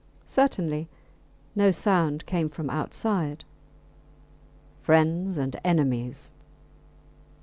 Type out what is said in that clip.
Certainly no sound came from outside. Friends and enemies!